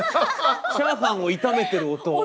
チャーハンを炒めてる音を。